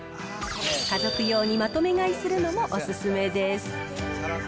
家族用にまとめ買いするのもお勧めです。